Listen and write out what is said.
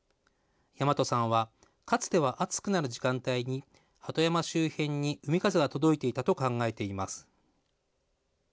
大和さんは、かつては暑くなる時間帯に、鳩山周辺に海風が届いていたと考えています。